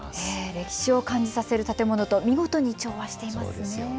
歴史を感じさせる建物と見事に調和していますね。